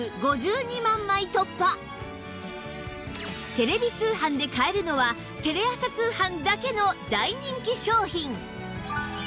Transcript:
テレビ通販で買えるのはテレ朝通販だけの大人気商品！